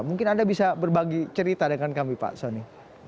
mungkin anda bisa berbagi cerita dengan kami pak soni